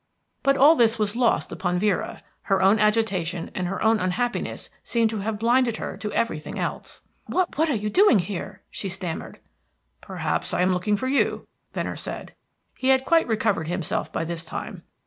But all this was lost upon Vera; her own agitation and her own unhappiness seemed to have blinded her to everything else. "What are you doing here?" she stammered. "Perhaps I am looking for you," Venner said. He had quite recovered himself by this time.